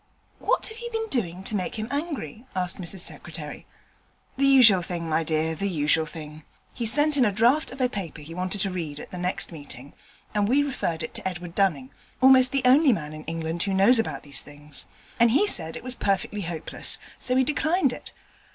'What have you been doing to make him angry?' asked Mrs Secretary. 'The usual thing, my dear, the usual thing: he sent in a draft of a paper he wanted to read at the next meeting, and we referred it to Edward Dunning almost the only man in England who knows about these things and he said it was perfectly hopeless, so we declined it.